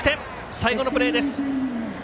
最後のプレーです。